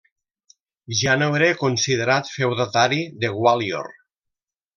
Ja no era considerat feudatari de Gwalior.